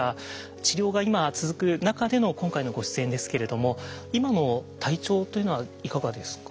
治療が今続く中での今回のご出演ですけれども今の体調というのはいかがですか？